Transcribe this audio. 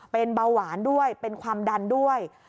เป็นเบาหวานด้วยเป็นความดันด้วย